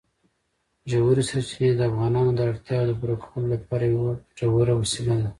ژورې سرچینې د افغانانو د اړتیاوو د پوره کولو لپاره یوه ګټوره وسیله ده.